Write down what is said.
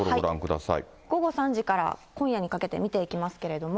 午後３時から今夜にかけて見ていきますけれども。